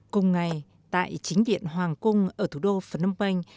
cùng ngày tại chính điện hoàng cung ở thủ đô phnom penh